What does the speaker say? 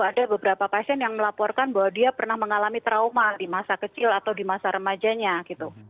ada beberapa pasien yang melaporkan bahwa dia pernah mengalami trauma di masa kecil atau di masa remajanya gitu